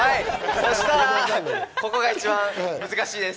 そしたらここが一番難しいです。